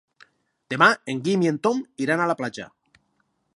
Demà en Guim i en Tom iran a la platja.